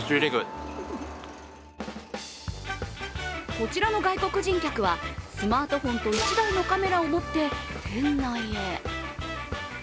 こちらの外国人客はスマートフォンと１台のカメラを持って店内へ。